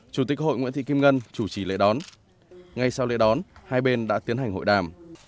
chủ tịch hội nguyễn thị kim ngân chủ trì lễ đón ngay sau lễ đón hai bên đã tiến hành hội đàm